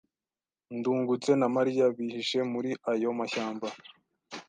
Ndungutse na Mariya bihishe muri ayo mashyamba.